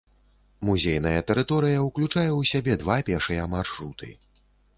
Музейная тэрыторыя ўключае ў сябе два пешыя маршруты.